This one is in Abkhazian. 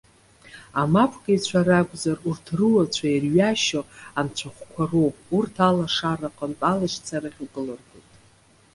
Амапкыҩцәа ракәзар, урҭ рыуацәа ирҩашьоу анцәахәқәа роуп, урҭ алашараҟынтә алашьцарахь укылыргоит.